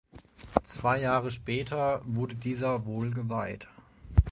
Zwei Jahre später wurde dieser wohl geweiht.